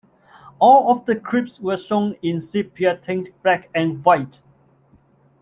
All of the clips were shown in sepia-tinted black and white.